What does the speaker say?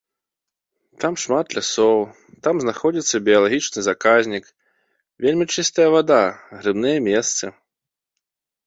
Там шмат лясоў, там знаходзіцца біялагічны заказнік, вельмі чыстая вада, грыбныя месцы.